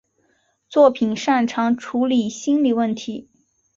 作品擅长处理心理问题。